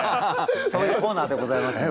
そういうコーナーでございますので。